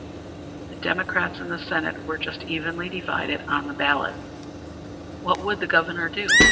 The Democrats in the Senate were just evenly divided on the ballot. What would the Governor do?